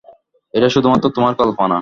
এটা শুধুমাত্র তোমার কল্পনা।